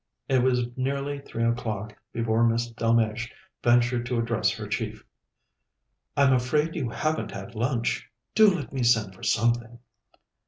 It was nearly three o'clock before Miss Delmege ventured to address her chief. "I'm afraid you haven't had lunch. Do let me send for something."